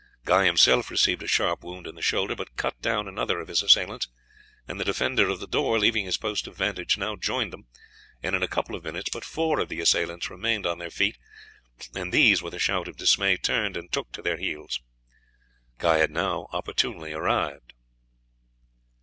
Guy himself received a sharp wound in the shoulder, but cut down another of his assailants; and the defender of the door, leaving his post of vantage, now joined them, and in a couple of minutes but four of the assailants remained on their feet, and these, with a shout of dismay, turned and took to their heels. Guy had now opportunely arrived.